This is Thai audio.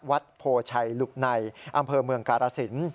วัดโพชัยหลุบในอำเภอเมืองกาลสิน